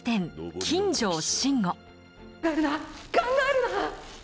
考えるな！